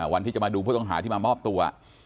วันที่จะมาดูผู้ต้องหาที่มามอบตัว